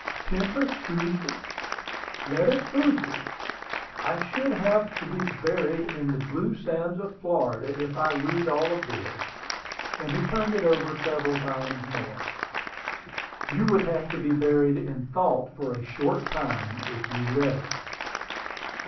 Tempus fugit. Let it fugit! I should have to be buried in the blue sands of Florida if I read all this;" and he turned it over several times more. "You would have to be buried in thought for a short time if you read it."